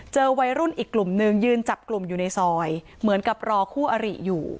วัยรุ่นอีกกลุ่มนึงยืนจับกลุ่มอยู่ในซอยเหมือนกับรอคู่อริอยู่